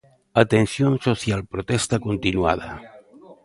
Atención social: protesta continuada.